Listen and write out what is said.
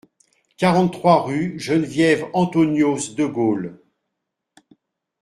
quarante-trois rue Geneviève Anthonioz-de Gaulle